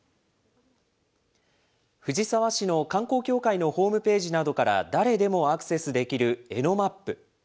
藤沢市の観光協会のホームページなどから、誰でもアクセスできるＥＮＯＭＡＰ。